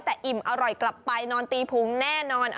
แต่อิ่มอร่อยกลับไปนอนตีพุงแน่นอน